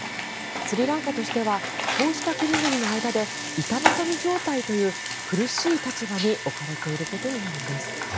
スリランカとしてはこうした国々の間で板挟み状態という苦しい立場に置かれていることになるんです。